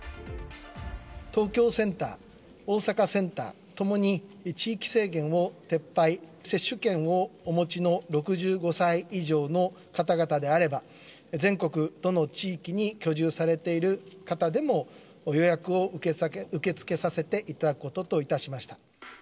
東京センター、大阪センターともに地域制限を撤廃、接種券をお持ちの６５歳以上の方々であれば、全国どの地域に居住されている方でも、予約を受け付けさせていただくことといたしました。